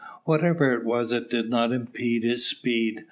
Whatever it was it did not impede his speed.